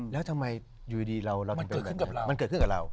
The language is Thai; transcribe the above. แล้วทำไมอยู่ดีมันเกิดขึ้นกับเรา